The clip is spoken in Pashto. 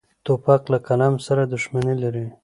توپک له قلم سره دښمني لري.